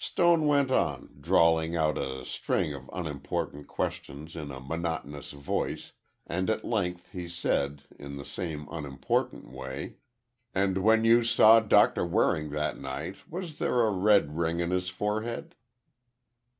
Stone went on, drawling out a string of unimportant questions in a monotonous voice, and at length, he said, in the same unimportant way, "And when you saw Doctor Waring that night, was there a red ring on his forehead?"